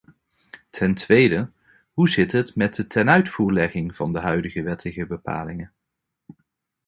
Ten tweede: hoe zit het met de tenuitvoerlegging van de huidige wettige bepalingen?